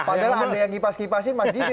padahal ada yang ngipas ngipasin mas didi